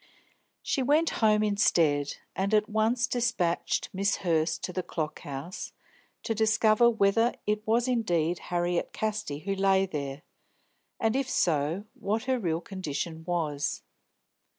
She went home instead, and at once despatched Miss Hurst to the Clock House to discover whether it was indeed Harriet Casti who lay there, and, if so, what her real condition was.